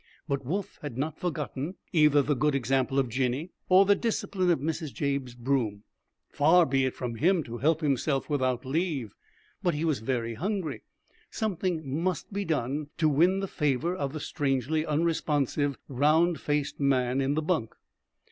But Woof had not forgotten either the good example of Jinny or the discipline of Mrs. Jabe's broom. Far be it from him to help himself without leave. But he was very hungry. Something must be done to win the favor of the strangely unresponsive round faced man in the bunk.